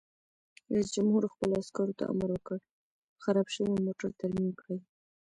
رئیس جمهور خپلو عسکرو ته امر وکړ؛ خراب شوي موټر ترمیم کړئ!